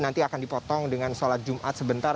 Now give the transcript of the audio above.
nanti akan dipotong dengan sholat jumat sebentar